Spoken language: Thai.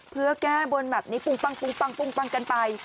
เพื่อแก้บนแบบนี้ปุ้งปังกันไป